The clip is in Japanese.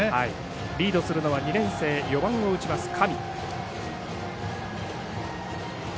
リードするのは４番を打ちます、上。